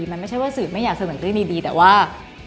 มันไม่ใช่ว่าสื่อไม่อยากเสนอเรื่องดีแต่ว่า